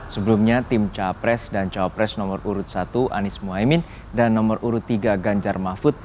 sebelumnya tim capres dan cawapres nomor urut satu anies mohaimin dan nomor urut tiga ganjar mahfud